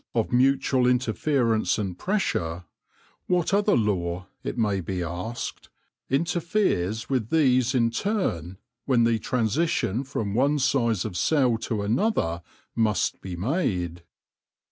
of mutual interference and pressure, what other law, it may be asked, interferes with these in turn when the transition from one size of cell to another must be made